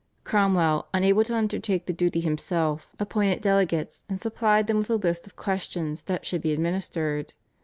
Cromwell, unable to undertake the duty himself, appointed delegates, and supplied them with the list of questions that should be administered.